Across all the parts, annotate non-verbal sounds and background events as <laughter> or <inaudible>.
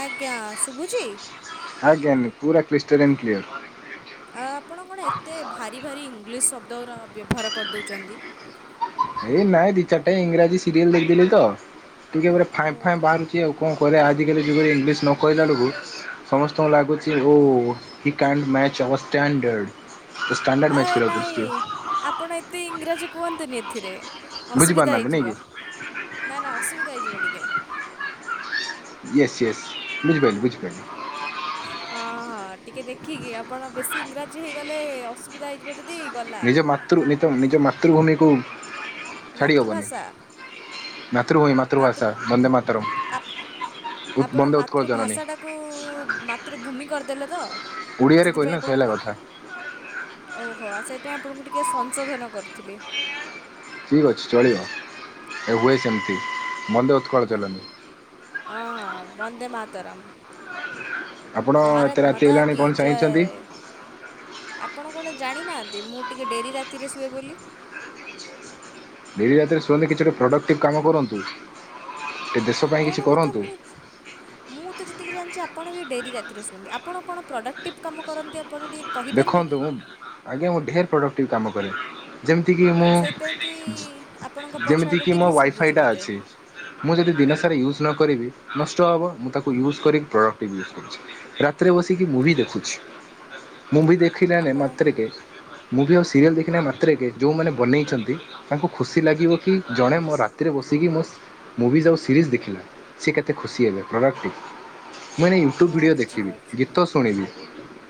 ଆଜ୍ଞା ଶୁଭୁଛି? ଆଜ୍ଞା ପୁରା କ୍ରିଷ୍ଟର୍ ଆନ୍ କ୍ଲିଅର୍। ଆ ଆପଣ କଣ ଏତେ ଭାରି ଭାରି ଇଂଲିଶ୍ ଶବ୍ଦଗୁରା ବ୍ୟବହାର କରିଦଉଛନ୍ତି? ଏଇ ନାଇଁ ଦି ଚାରିଟାଏ ଇଂରାଜୀ ସିରିଏଲ୍ ଦେଖଦେଲିତ ଟିକେ ପୁରା ଫଁ ଓ ଫାଁ ବାର୍ ଛି ଆଉ। କଣ କରବା ଆଜିକାଲି ଯୁଗରେ ଇଂଲିଶ ନ କହିଲା ବେଳକୁ ସମସ୍ତଙ୍କୁ ଲାଗୁଛି ଓ। He can't match our standard. ଏ ନାଇଁ ଆପଣ ଏତେ ଇଂରାଜୀ କୁହନ୍ତୁନି ଏଥିରେ। ଅସୁବିଧା ବୁଝିପାରୁନାହାନ୍ତି ନାଇଁ କି ହେଇଯିବ ନା ନା ଅସୁବିଧା ହେଇଯିବ ଟିକେ। Yes yes ବୁଝିପାଇଲି ବୁଝିବପାଇଲି। <inaudible> ହ ହଁ ଟିକେ ଦେଖିକି ଆପଣ ବେଶୀ ଇଂରାଜୀ ହେଇଗଲେ ଅସୁବିଧା ହେଇଯିବ ଯଦି। ଗଲା। ନିଜ ମାତୃ ନିଜ ମାତୃଭୂମିକୁ। ଛାଡ଼ି ହେବନି ମାତୃଭାଷା। ମାତୃଭୂମି ମାତୃ ମାତୃଭାଷା ଦନ୍ଦେ ମାତାରମ୍। ଆପ ଆପଣ ମାତୃଭାଷାଟାକୁ ମାତୃଭୂମି କରିଦେଲେ ତ। ଓଡ଼ିଆରେ କହିଲେ ସେଥିପାଇଁ ନା ସେ ଆପଣଙ୍କୁ ହେଲା କଥା। ଓହୋ ସେଇଥିପାଇଁ ଆପଣଙ୍କୁ ଟିକିଏ ସଂଶୋଧନ କରିଥିଲି। ଠିକ୍ ଅଛି ଚଳିବ ଏ ହୁଏ ସେମିତି ବନ୍ଦେ ଅ ହ ହଁ ହଁ ବନ୍ଦେ ମାତାରମ୍। ଆପଣ ଏତେ ଭାରତ ରାତି ମତା ହେଲାଣି କି କଣ ଜୟ। ଚାହିଁଛନ୍ତି? ଆପଣ କଣ ଜାଣିନାହାନ୍ତି ମୁଁ ଟିକେ ଡେରି ରାତିରେ ଶୁଏ ବୋଲି। ଡେଲି ରାତିରେ ଶୁଣନ୍ତି କିଛି ଗୋଟେ ପ୍ରଡ଼କ୍ଟିଭ୍ କାମ କରନ୍ତୁ ଟିକେ ଦେଶ ପାଇଁ ଆପଣ କିଛି ବି ତ କରନ୍ତୁ। ମୁଁ ମୁଁ ତ ଯେତିକି ଜାଣିଚି ଆପଣ ବି ଡେରି ରାତିରେ ଶୁଅନ୍ତି ଆପଣ କଣ ପ୍ରଡ଼କ୍ଟିଭ୍ କାମ କରନ୍ତି ଆପଣ ଟିକିଏ। ଦେଖନ୍ତୁ ଆଜ୍ଞା ମୁଁ ଢେର ପ୍ରଡ଼କ୍ଟିଭ୍ କାମ କରେ। ଯେମିତିକି ମୁଁ ସେଇଥିପାଇଁ କି ଆପଣଙ୍କ ପଛଆଡ଼େ ଯେମିତିକି ମୋ ଟିଭି ଶୁଭୁଛି ୱାଇଫାଇଟା ମୋତେ ଅଛି। ମୁଁ ଯଦି ଦିନସାରା ୟୁଜ୍ ନ କରିବି ନଷ୍ଟ ହେବ ମୁଁ ତାକୁ ୟୁଜ୍ କରି ପ୍ରଡ଼କ୍ଟିଭ୍ ୟୁଜ୍ କରୁଛି। ରାତିରେ ବସିକି ମୁଭି ଦେଖୁଛି। ମୁଭି ଦେଖିଲା ଆପଣ ମାତ୍ରକେ ମୁଭି ଆଉ ସିରିଏଲ ଦେଖିଲା ମାତ୍ରକେ ଯେଉଁମାନେ ବନେଇଛନ୍ତି। ତାଙ୍କୁ ଖୁସି ଲାଗିବ କି ଜଣେ ମୋ ରାତିରେ ବସିକି ମୋ ମୁଭିଜ୍ ଆଉ ସିରିଜ୍ ଦେଖିଲା ସିଏ କେତେ ଖୁସି ହେଲେ ପ୍ରଡକ୍ଟିଭ୍। ମାନେ ୟୁଟ୍ୟୁବ୍ ହଁ ଭିଡିଓ ଦେଖିବି ବୁଝିପାରୁଛି ଗୀତ ଶୁଣିବି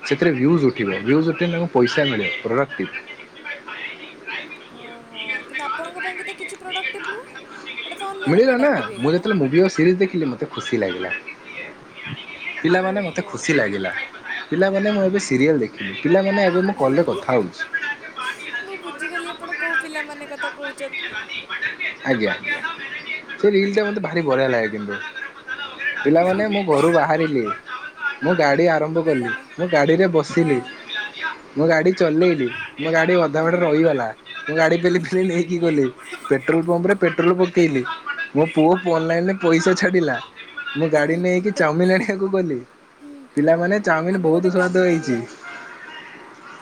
ସେଥିରେ ଭ୍ୟୁଜ୍ ଉ ଠୀବ ଭ୍ୟୁଜ୍ ଉଠିଲେ ତାଙ୍କୁ ପଇସା ମିଳିବ ପ୍ରଡ଼କ୍ଟିଭ୍। ହଁ। ହଁ କିନ୍ତୁ ଆପଣଙ୍କ ପାଇଁ କି ତ କିଛି ପ୍ରଡକ୍ଟିଭ ନୁହଁ ଏଇଟା ତ ଅନ୍ୟର ମିଳିଲା ନା ପ୍ରଡକ୍ଟିଭ୍। ମୁଁ ଯେବେଳେଭି ମୁଭି ଓ ସିରି୍ ଦେଖିଲି ମତେ ଖୁସି ଲାଗିଲା ପିଲାମାନେ ମୋତେ ଓହୋ। ଖୁସି ଲାଗିଲା। ପିଲାମାନେ ମୁଁ ଏବେ ସରିଲ୍ ଦେଖି ପିଲାମାନେ। ଏବେ ମୁଁ କଲ୍ ରେ କଥା ହେଉଛି। ମୁଁ ବୁଝିଗଲି ଆପଣ କୋଉ ପିଲା ମାନେ କଥା କହୁଛନ୍ତି। ଆଜ୍ଞା ସେ ରିଲ ଟା ମତେ ଭାରି ବଢିଆ ଲାଗେ କିନ୍ତୁ। ପିଲାମାନେ ମୁଁ ଘରୁ ବାହାରିଲି ମୁଁ ଗାଡି ଆ ଆରମ୍ଭ କଲି ପିଲାମା ମୁଁ ଗାଡ଼ିରେ ବସିଲି। ହଁ ମୁଁ ଗାଡି ଚଲେଇଲି ମୋ ଗାଡି ଅଧା ବାଟରେ ରହିଗଲା ମୁଁ ଗାଡି ପେଲି ପେଲି ନେଇକି ଗଲି। ପେଟ୍ରୋଲ ପମ୍ପ ରେ ପେଟ୍ରୋଲ ପକେଇଲି ମୋ ପୁଅ ଅନଲାଇନ ରେ ପଇସା ଛାଡିଲା। ମୁଁ ଗାଡି ନେଇକି ଚାଉମିନ ଆଣିବାକୁ ଗଲି। ପିଲାମାନେ ଚାଉମିନ ଆମେ ଗୋଟେ ବହୁତ କାମ ସୁଆଦ ହେଇଛି। କରିବା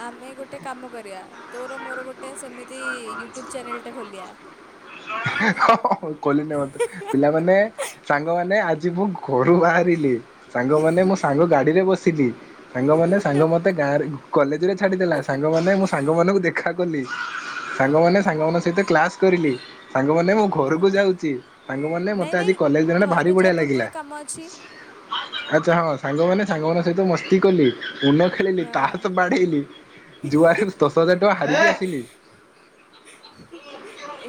ଆମେ ଗୋଟେ କାମ କରିବା ତୋର ମୋର ଗୋଟେ ଗୋଟେ ସେମିତି ୟୁଟ୍ୟୁବ ଚ୍ୟାନେଲ ଟା ଖୋଲିବା? ମାନେ ସାଙ୍ଗ ମାନେ ଆଜି ମୁଁ ଘରୁ ବାହାରିଲି ସାଙ୍ଗମାନେ ମୋ ସାଙ୍ଗ ଗାଡିରେ ବସିଲି ସାଙ୍ଗମାନେ ସାଙ୍ଗ ମା ମତେ ଗାଁରେ କଲେଜ ରେ ଛାଡିଦେଲା ସାଙ୍ଗମାନେ ମୁଁ ସାଙ୍ଗ ମାନଙ୍କୁ ଦେଖା କଲି ସାଙ୍ଗମାନେ ସାଙ୍ଗ ମାନଙ୍କ ସହିତ କ୍ଲାସ କରିଲି ସାଙ୍ଗ ମାନେ ମୁଁ ଘରକୁ ଯାଉଛି ସାଙ୍ଗମାନେ ନାଇଁ ମତେ ଆଜି ନାଇଁ କଲେଜରେ ଜଣେ ଭାରି ଘରକୁ ଯିବା ବଢିଆ ଲାଗିଲା। ପୂର୍ବରୁ କାମ ଅଛି। ଆଚ୍ଛା ହଁ ସାଙ୍ଗମାନେ ସାଙ୍ଗ ମାନଙ୍କ ସହିତ ମସ୍ତି କଲି <unintelligible> ଖେଳିଲି ହଁ ତାସ ବାଢେଇଲି ଯୁଆରେ ଦଶ ହଜାର ଟଙ୍କା ହାରିକି ଆସିଲି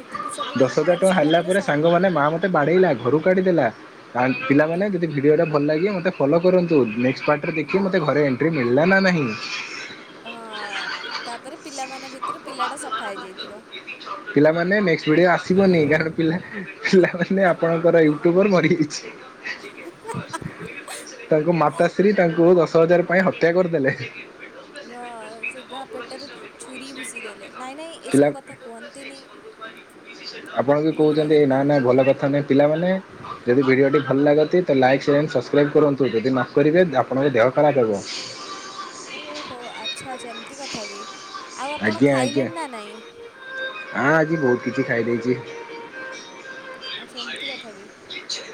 ଏତିକି ସବୁ କାମ ହଜାର ଟଙ୍କା କରିସାରିଲା ହାରିଲା ପରେ ସାଙ୍ଗ ମାନେ ମାନେ ମା ମୋତେ ବାଡ଼େଇଲା ଘରୁ କାଢିଦେଲା। ଆ ପିଲାମାନେ ଯଦି ଭିଡ଼ିଓଟା ଭଲ ଲାଗେ ମୋତେ ଫଲୋ କରନ୍ତୁ ନେକ୍ସକ୍ଟ ପାର୍ଟରେ ଦେଖି ମୋତେ ଘରେ। ମିଳିଲା ନା ନାହିଁ। ହଁ ତାପରେ ପିଲା ମାନେ ଭିତରେ ପିଲା ଟା ସଫା ହେଇଯାଇଥିବ। ପିଲାମାନେ ନେକ୍ସଟ ଭିଡିଓ ଆସିବନି କାରଣ ପିଲାମାନେ ଆପଣଙ୍କର ଏଇ <unintelligible> ମରିଛି କିଛି? ତାଙ୍କ ମାତାଶ୍ରୀ ତାଙ୍କୁ ଦଶ ହଜାର ପାଇଁ ହତ୍ୟା କରିଦେଲେ। ହଁ ସିଧା ପେଟରେ ଛୁରୀ ଭୁସି ଦେଲେ ନାଇଁ ନାଇଁ ପିଲା ଏସବୁ କଥା କୁହନ୍ତିନି। ଆପଣ ବି ଭୁଲ କହୁଛନ୍ତି କହିଦେଲି ଏଇ ନା ଟିକେ ନା ଭଲ କଥା ନୁହେଁ ପିଲାମାନେ? ଯଦି ଭିଡ଼ିଓଟି ଭଲ ଲାଗନ୍ତି ତ ଲାଇକ୍ ଆଣ୍ଡ ସବସ୍କ୍ରାଇବ୍ କରନ୍ତୁ ଯଦି ନ କରିବେ ଆପଣଙ୍କ ଦେହ ଖରାପ ହେବ। ଓହୋ ଆଚ୍ଛା ଆଚ୍ଛା ଏମିତି କଥା କି ଆଉ ଆପଣ ଖାଇଲେଣି ନା ନାଇଁ? ହଁ ଆଜି ବହୁତ କିଛି ଖାଇଦେଇଛି? ଆଚ୍ଛା ଏମିତି କଥା କି?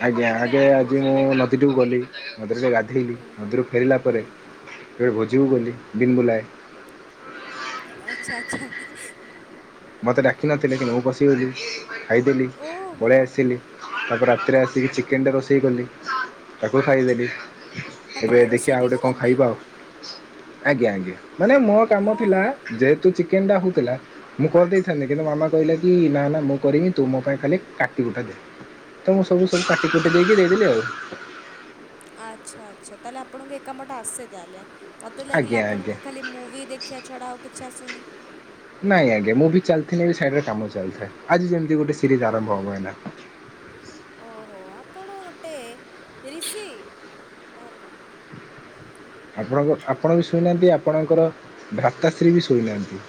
ଆଜ୍ଞା ଆଗେ ଆଜି ମୁଁ ନଦୀକୁୁ ଗଲି ନଦୀ ଗ ଗାଧେଇଲି ହୁଁ। ନଦୀ ରୁ ଫେରିଲା ପରେ ହୁଁ ଏବେ ଭୋଜିକୁ ଗଲି ବିନ ବୁଲାଏ। ଆ ଆଚ୍ଛା ଆଚ୍ଛା। ମୋତେ ଡାକିିନଥିଲେ କିନ୍ତୁ ମୁଁ ପଶିଗଲି ଖାଇଦେଲି ଓହୋ ପଳେଇ ଆସିଲି। ତାପରେ ରାତିରେ ଆସିକି ଚିକେନ ଟେ ରୋଷେଇ କଲି ତାକୁ ଖାଇଦେଲି। ଆପଣ ଏବେ ଦେଖିବା ରୋଷେଇ ଆଉ ବି ଗୋଟେ କଣ କରନ୍ତି? ଖାଇବା ଆଉ। ଆଜ୍ଞା ଆଜ୍ଞା ମାନେ ମୋ କାମ ହଁ ଥିଲା ହଁ। ଯେହେତୁ ଚିକେନ ଟା ହଉଥିଲା। ମୁଁ କରିଦେଇଥାନ୍ତିି କିନ୍ତୁ ମାମା କହିଲା କି ନା ନା ମୁଁ କରିବି ତୁ ମୋ ପାଇଁ ଖାଲି କାଟିିକୁଟା ଦେବୁ। ତ ମୁଁ ସବୁ ସବୁ କାଟି କୁଟି ଦେଇକି ଦେଇଦେଲି ଆଉ। ଆଚ୍ଛା ଆଚ୍ଛା ତାହେଲେ ଆପଣଙ୍କୁ ଏକାମ ଟା ଆସେ ତାହେଲେ? ମୋତେ ଲାଗିଲା ଆଜ୍ଞା ଆଜ୍ଞା ଆପଣଙ୍କୁ ଖାଲି ମୁଭି ଦେଖିବା ଛଡ଼ା ଆଉ କିଛି ଆସୁନି। ନାଇଁ ଆଜ୍ଞା ମୁଭୁ ଚାଲିଥିଲେ ବି ସାଇଡରେ କାମ ଚାଲିଥାଏ ଆଜି ଯେମିତି ଗୋଟେ ସିରିଜ ଆରମ୍ଭ ହବ ଏଇକିନା? ଓହୋ ଆପଣ ଗୋଟେ ଋଷି ବାହାର କର? ଆପଣଙ୍କ ଆପଣ ବି ଶୋଇନାହାନ୍ତି ଆପଣଙ୍କର ଭାତାଶ୍ରୀ ବି ଶୋଇନାହାନ୍ତି।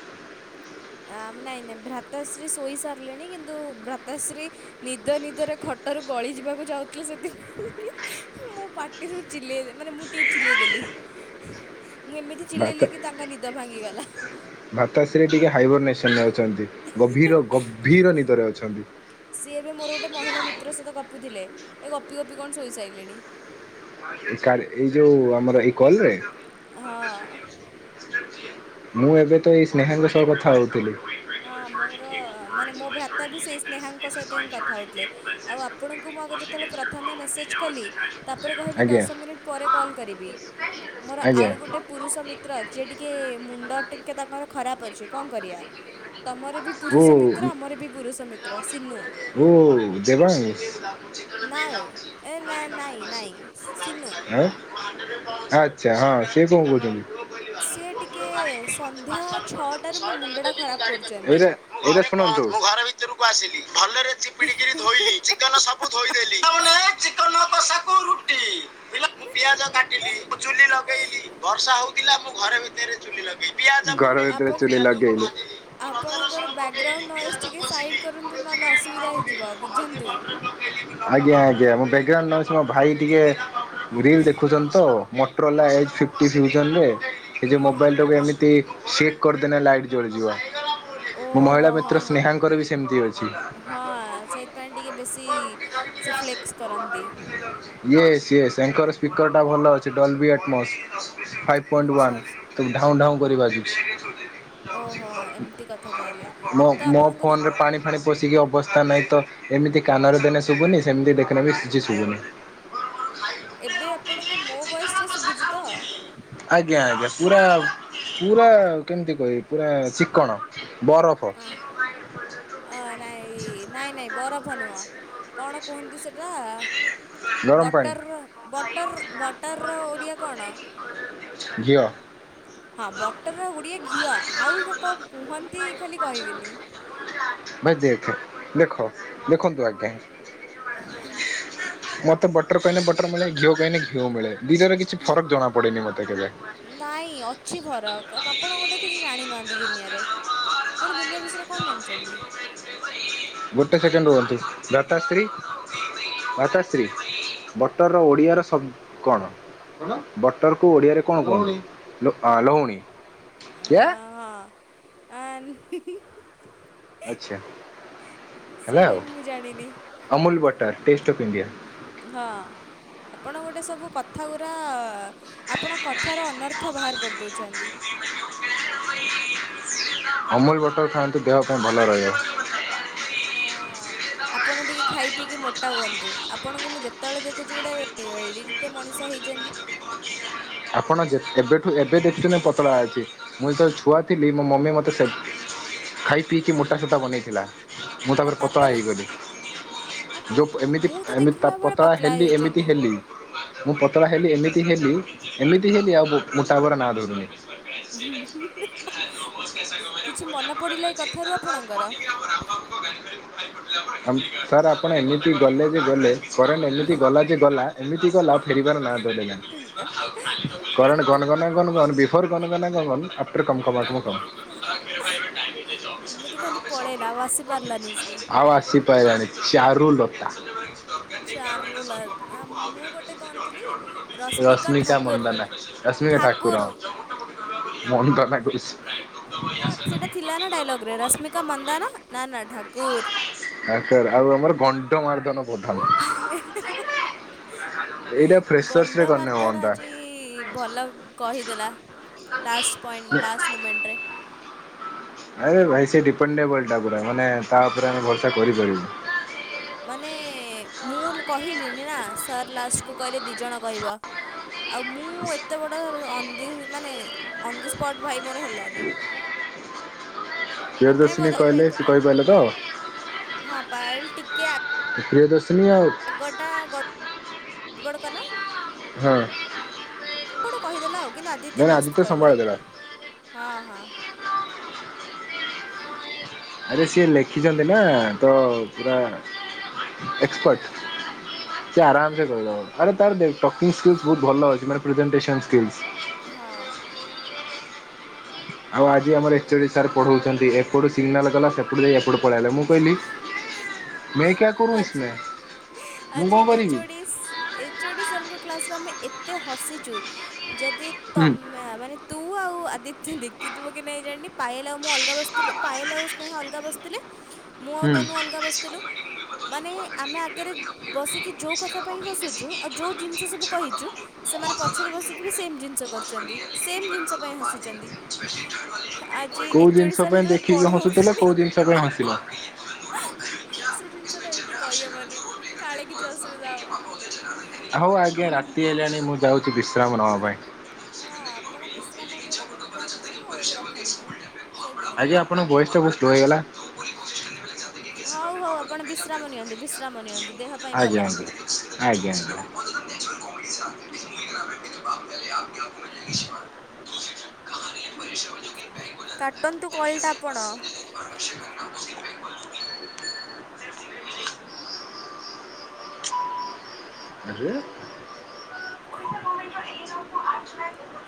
ଆ ନାଇଁ ନାଇଁ ଭ୍ରାତାଶ୍ରୀ ଶୋଇ ସାରିଲେଣି କିନ୍ତୁ ଭ୍ରାତାଶ୍ରୀ ନିଦ ନିଦରେ ଖଟରୁ ଗଳି ଯିବାକୁ ଯାଉଥିଲେ କି ସେଥିପାଇଁ କି ମୁଁ ପାଟିରୁ ଚିଲେଇ ମାନେ ମୁଁ ଟିିକେ ଚିଲେଇ ଦେଲି ହଁ ମୁଁ ଏମିତି ଚିଲେଇଲି କି ତାଙ୍କ ନିଦ ଭାଙ୍ଗିଗଲା। ଭାତାଶ୍ରୀ ଟିକେ ହାଇବରନେସନ୍ ନେଉଛନ୍ତି। ଗଭୀର ଗଭୀର ନିଦରେ ଅଛନ୍ତି। ପିତ୍ର ସଇତ ଗପୁଥିଲେ ଏ ଗପି ଗପି କଣ ଶୋଇସାଇଲେଣି। କାର ଏଇ ଯୋଉ ଆମର ଏଇ କଲ ରେ। ହଁ। ମୁଁ ଏବେ ତ ଏଇ ସ୍ନେହାଙ୍କ ସହ କଥା ହୋଉଥିଲି। ହଁ ମୋର ମାନେ ମୋ ଭ୍ରାତା ବି ସେଇ ସ୍ନେହାଙ୍କ ସଇ ତ ହିଁ କଥା ହୋଉଥିଲେ ଆଉ ଆପଣଙ୍କୁ ମୁଁ ଆଗ ଯେତୋବେଳେ ପ୍ରଥମେ ମେସେଜ୍ କଲି। ତାପରେ କହିଲି ଆଜ୍ଞା। ଦଶ ମିନିଟ୍ ପରେ କଲ୍ କରିବି। ମୋର ଆଉ ଆଜ୍ଞା। ଗୋଟେ ପୁରୁଷ ମିତ୍ର ଯେ ଟିକେ ମୁଣ୍ଡ ଟିକେ ତାପଖରେ ଖରାପ ଅଛି କଣ କରିଆ। ତମର ବି ପୁରୁଷ ଓ ମିତ୍ର, ଆମର ବି ପୁରୁଷ ମିତ୍ର ସିନୁ। ହୋ ଦେବାଂଶ। ନା ଏ ନାଇଁ ନାଇଁ ନାଇଁ ସିନୁ। ଆଁ ଆଚ୍ଛା ହଁ ସିଏ କଣ କଉଚନ୍ତି? ସି ଟିକେ ସନ୍ଧ୍ୟା ଛଅଟାରେ ମୋ ମୁଣ୍ଡଟା ଖରାପ କରୁଚନ୍ତି। ଏଇଟା ଏଇଟା ଶୁଣନ୍ତୁ ମୁଁ ଘର ଭିତରକୁ ଆସିଲି ଭଲରେ ଚିପିଡିକିରି ଧୋଇଲି। ଚିକନ ସବୁ ଧୋଇଦେଲି। ଆମର ନାଁ ଚିକନ। ଏଁ ଟି ବିଲ ମୁଁ ପିଆଜ କାଟିଲି ଚୁଲି ଲଗେଇଲି ବର୍ଷା ହୋଉଥିଲା ମୁଁ ଘରେ ଭିତରେ ଚୁଲୀଲାଗ ଗର ଭିତରେ ଚୁଲି ଆପଣ ଲାଗେଇଲୁ। ଆପଣଙ୍କର ବ୍ୟଗ୍ରାଉଣ୍ଡ ନଏଜ୍ ଟିକିଏ ସାଇଡ଼୍ କରନ୍ତୁ। ନହେଲେ ଅସୁବିଧା ହେଇଯିବ ବୁଝନ୍ତୁ। ଆଜ୍ଞା ଆଜ୍ଞା ମୋ ବ୍ୟାଗ୍ରାଉଣ୍ଡ ନଏଜ ମୋ ଭାଇ ଟିକେ ରିଲ ଦେଖୁଚନ୍ତି ତ ମଟରଲା ଏଚ ଫିଫଟି ଦେଖୁଚ ନ୍ତି ଜେ। ମୋବାଇଲଟାକୁ ଏମିତି ସିଟ କରଦେଲେ ଲାଇଟ୍ ଜଳିଯିବ। ମୁଁ ଓହୋ ମହିଳା ହଁ ମିତ୍ର ହଁ ସ୍ନେହାଙ୍କର ବି ସେମ ତି ଅଛି। ହଁ ସେଇଥିପାଇଁ ଟିକେ ବେଶୀ ସେ ଫ୍ଲେକ୍ସ କରନ୍ତି। ଇଏସ ଇଏସ ତାଙ୍କର ସ୍ପିକର ଟା ଭଲ ଅଛି। Dolby Atmos five point ଆଚ୍ଛା ୱାନ୍। ଆଚ୍ଛା ତୁଇ ଢାଉଁ ଡାଉଁ କରି ବାଜୁଛି। ଓହୋ ଏମିତି କଥା ତାହେଲେ ମୋ ତ ମୋ ଆପଣଙ୍କୁ ଯେ ଫୋନ ରେ ପାଣି ପାଣି ପଷିକି ଅବସ୍ଥା ନାହିଁ ତ। ଏମିତି କାନରେ ଦେନେ ଶୁବୁନି ସେମିତି ଦେଖିନେ ବି କିଛି ଶୁବୁନି। ଏବେ ଆପଣଙ୍କୁ ମୋ ବଏସଟା ଶୁବୁଜିତ? ଆଜ୍ଞା ଆଜ୍ଞା ପୁରା ପୁରା କେମିତି କହିବି ପୁରା ଚିକ୍କଣ। ବରଫ। ବୁ ଅ ନାଇଁ ନାଇଁ ନାଇଁ ବରଫ ନୁହଁ। କଣ କୁହନ୍ତି ସେଟା ଗରମ ପାଣି। ବଟର ବଟର ବଟର ର ଓଡ଼ିଆ କଣ? ଘିଅ। ହଁ ବଟରର ଓଡିଆ ଘିଅ ଆଉ ହେକା କଣ କୁହନ୍ତି ଖାଲି କହିବିନି। ଭସି ଦେଇଛ ଦେଖ। ଦେଖନ୍ତୁ ଆଜ୍ଞା ମତେ ପଠ ବଟର କଇନେ ବଟର ମିଳେ ଘିଅ କହିନେ ଘିଅ ମିଳେ। ଦୁଇଟାରେ କିଛି ଫରକ ଜଣା ପଡେନି ମତେ କେବେ। ନାଇଁ ଅଛି ଫରକ ଆପଣ ଗୋଟେ କିଛି ଜାଣିନାହାନ୍ତି ଦୁନିଆଁରେ। ଆପଣ ଦୁନିଆଁ ବିଷୟରେ କଣ ଜାଣଚନ୍ତି? ଗୋଟେ ସେକେଣ୍ଡ ରୁହତି ଦାତାଶ୍ରୀ। ମାତାଶ୍ରୀ ବଟରର ଓଡ଼ିଆର ଶବ୍ କଣ? କଣ ବଟରକୁ ଓଡ଼ିଆରେ କଣ କୁହନ୍ତି ଲହୁଣୀ ଲୋ ଅ ଲୁହୁଣି। ଅ ହଁ ଆ ହୁଁ ହୁଁ ହୁଁ। ଆଚ୍ଛା। ସେଇଟା ବି ମୁଁ ଜାଣିନି। Amul butter taste of India. ହଁ ଆପଣଙ୍କ ଗୋଟେ ସବୁ କଥା ଗୁରା ଆପଣ କଥାର ଅନର୍ଥ ବାହାର କରିଦଉଛନ୍ତି। ଅମୁଲ ବଟର ଖାଆନ୍ତୁ ଦେହ ପାଇଁ ଭଲ ରହିବ। ହଁ। <unintelligible> ଆପଣ ଟିକି ଖାଇ ପିଇକି ମୋଟା ହୁଅନ୍ତୁ ଆପଣଙ୍କୁ ମୁଁ ଯେତେବେଳେ ଦେଖୁଛି ଗୋଟେ ଏଡିକି ଟେ ମଣିଷ ହେଇଛନ୍ତି। ଆପଣ ଯେ ଏବେଠୁ ଏବେ ଦେଖୁଛନ୍ତି ମୁଁ ପତଳା ଅଛି। ମୁଁ ଯେତେବେଳେ ଛୁଆ ଥିଲି ମୋ ମମି ମତେ ସେ ଖାଇ ପିଇକି ମୋଟା ସୋଟା ବନେଇଥିଲା। ମୁଁ ତାପରେ ପତଳା ହେଇଗଲି। ଆପଣ ଯୋଉ ପ ଏମିତି ମୁଁ ତ ଏମତି ପ ଦେଖିଲା ବେଳେ ପତଳା ହେଲି ଏମିତି ହେଇଛନ୍ତି। ହେଲି। ମୁଁ ପତଳା ହେଲି ଏମିତି ହେଲି ଏମିତି ହେଲି ଆଉ ମୋ ମୋଟା ହବାର ନାଁ ଧରୁନି। <unintelligible> କିଛି ମନେ ପଡ଼ିଲା ଏ କଥାରୁ ଆପଣଙ୍କର? ଅମ ସାର୍ ଆପଣ ଏମିତି ଗଲେ ଯେ ଗଲେ କରେଣ୍ଟ ଏମିତି ଗଲାଯେ ଯେ ଗଲା ଏମିତି ଗଲା ଫେରିବାର ନାଁ ଧରିଲା ନାହିଁ କରେଣ୍ଟେ ଗନଗନା ଗନଗନ ବିଫୋର୍ ଗନଗନା ଗଣଗନ ଆଫ୍ଟର୍ କମ୍ କବବାଟ ମୁଁ କମ୍। ଏମିତି ଖାଲି ପଳେଇଲା ଆଉ ଆସି ପାରିଲାନି ସେ ଆଉ ଆଶି ପାଇଲାଣି ଚାରୁଲ ରସ ଚାରୁଲା ଆ ମୁଁ ଶ୍ମିକା ଗୋଟେ କଣ ଥିଲି ମଣ୍ଡନା ରଶ୍ମିକା ଠାକୁର ରଶ୍ମିକା ଠାକୁର। ଲାଗୁ ଇସ୍। ହଁ ସେଇଟା ଥିଲା ନା ଡାଇଲଗ ରେ ରଶ୍ମିକା ମନ୍ଦାନ ନା ନା ଠାକୁର। ଆ ସାର୍ ଆଉ ଆମର ଗଣ୍ଡ ମାରଦନ ପ୍ରଧାନ। <unintelligible> ଏଇଟା ଫ୍ରେସର୍ସ ରେ କରିନେ ଗଣ୍ଡମାରଧନ ହୁଅନ୍ତା। ଆଜି ଭଲ କହିଦେଲା। ଲାଷ୍ଟ ପଏଣ୍ଟ ଲାଷ୍ଟ ମୋମେଣ୍ଟରେ। ଆରେ ଭାଇ ସେ ଡିପେଣ୍ଡେବଲ୍ ଟା ପୁରା ମାନେ ତା ଉପରେ ଆମେ ଭରସା କରିପାରିବୁ। ମାନେ ମୁଁ ଲ କହିଲିନି ନା ସାର୍ ଲାଷ୍ଟକୁ କହିଲେ ଦି ଜଣ କହିବ। ଆଉ ମୁଁ ଏତେ ବଡ଼ ଅ ଦି ମାନେ ଅନ୍ ଦି ସ୍ପଟ୍ ଭାଇ ମୋର ହେଲାନି। ଆରେ ପ୍ରିୟରଦର୍ଶିନୀ ମୋତେ କହିଲି ଭାଇ କହିଲେ ତୁ ସେ କହ କହିପାରିଲେ ତ? ହଁ ପାୟଲ ଟିକେ ପ୍ରିୟଦର୍ଶିନି ଆଉ ଆଗଟା ଗ ବଡ଼ କଲା। ହଁ କୋଆଟେ କହିଦେଲା ଆଉ କିନ୍ତୁ ଆଦିତ୍ୟ ମାନେ ମସ୍ତ କହିଲା। ସମ୍ଭାଳି ଦେଲା। ହଁ ହଁ। ଆରେ ସିଏ ଲେଖିଛନ୍ତି ନା ତ ପୁରା ହଁ ଏକ୍ସପର୍ଟ। ସେ ଆରାମ ସେ କହିଦବ ଆରେ ତାର ଦେଖ ଟକିଙ୍ଗଷ୍ଟେଜ ବହୁତ୍ ଭଲ ଅଛି ମାନେ ପ୍ରିବେନଷ୍ଟେସନ୍ ଷ୍ଟେଜ। ହଁ। ଆଉ ଆଜି ଆମର ଏଚୋଡି ସାର୍ ପଢଉଛନ୍ତି ଏପଟୁ ସିଗ୍ନାଲ୍ ଗଲା ସେପଟୁ ଯାଇ ଏପଟ ପଳାଇଲେ ମୁଁ କହିଲି ମେ କ୍ୟାରୋ ଆଜି ଉସମେ ମୁଁ କଣ କରିବି। ଇସ୍ ଏଚୋଡି ସାର୍ ଙ୍କ କ୍ଲାସରେ ଆମେ ଏତେ ହସିଚୁ ଯିଦି ହୁଁ ତମ ମେୟା ମାନେ ତୁ ଆଉ ଆଦିତ୍ୟ ଦେକିଥିବକି ନାଇଁ ଜାଣିନି ପାଏଲ୍ ଆଉ ମୁଁ ଅଲଗା ବସିଥିଲୁ ପାଏଲ ଆଉ ସ୍ନେହ ଅଲଗା ବସଥିଲେ ମୁଁ ଆଉ ହୁଁ ତନୁ ଅଲଗା ବସିଥିଲୁ। ମାନେ ଆମେ ଆଗରେ ବସିକି ଯୋଉ କଥା ପାଇଁ ହସୁଚୁ ଆଉ ଯୋଉ ଜିନିଷ ସବୁ କହିଚୁ ସେମାନେ ପଛରେ ବସିକି ବି ସେମ୍ ଜିନିଷ କରିଚନ୍ତି ସେମ୍ ଜିନିଷ ପାଇଁ ହସିଚନ୍ତି। ଆଜି ଏଚ୍ ଓ ଡି ସାର୍ ଯେତେବେଳେ ପଢଉଥିଲେ ତ କଣ ହସିଲ ସେ ଜିନିଷଟା ଏଇଠି କହିହେବନି କାଳେ କିଛି ଅସୁବିଧା ହବ। ହଉ ଆଜ୍ଞା ରାତି ହେଲାଣି ମୁଁ ଯାଉଚି ବିଶ୍ରାମ ନେବା ପାଇଁ। ହଁ ଆପଣ ବିଶ୍ରାମ ଯୋଉ ନେବେ ମୁଁ ଜାଣିଚି ହଉ ଏବେ ରଖନ୍ତୁ। ଶୋଇପଡ଼ନ୍ତୁ। ଆଜ୍ଞା ଆପଣଙ୍କ ଭଏସ୍ ଟା ବହୁତ ସ୍ଲୋ ହେଇଗଲା। ହଉ ହଉ ଆପଣ ବିଶ୍ରାମ ନିଅନ୍ତୁ ବିଶ୍ରାମ ନିଅନ୍ତୁ ଦେହ ପାଇଁ ଭଲ। ଆଜ୍ଞା ଆଜ୍ଞା ଆଜ୍ଞା ଆଜ୍ଞା। <inaudible> କାଟନ୍ତୁ କଲଟା ଆପଣ। <inaudible> <inaudible>